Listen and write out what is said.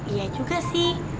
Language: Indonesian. iya juga sih